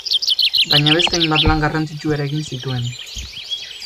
Baina beste hainbat lan garrantzitsu ere egin zituen.